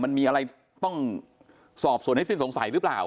มันมีอะไรต้องสอบส่วนให้สิ้นสงสัยหรือเปล่า